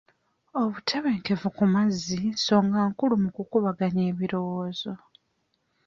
Obutebenkevu ku mazzi nzonga nkulu mu kukubaganya birowoozo.